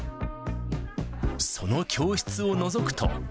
その教室をのぞくと。